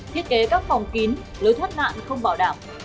thiết kế các phòng kín lối thoát nạn không bảo đảm